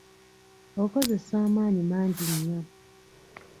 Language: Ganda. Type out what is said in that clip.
Okozesa amaanyi mangi nnyo.